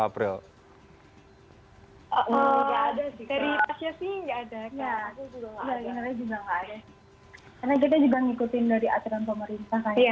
karena kita juga ngikutin dari aturan pemerintah kan